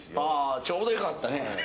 ちょうどえかったね。